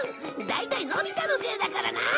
大体のび太のせいだからな！